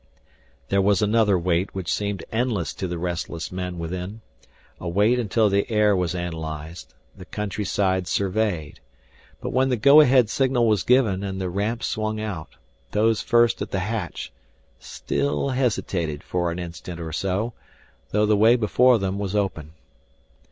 There was another wait which seemed endless to the restless men within, a wait until the air was analyzed, the countryside surveyed. But when the go ahead signal was given and the ramp swung out, those first at the hatch still hesitated for an instant or so, though the way before them was open.